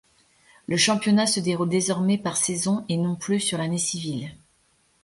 Le championnat se déroule désormais par saison et non plus sur l'année civile.